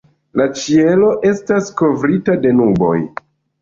La ĉielo estas kovrita de nuboj.